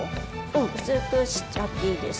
うん薄くしちゃっていいです。